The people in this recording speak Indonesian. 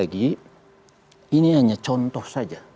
jadi ini hanya contoh saja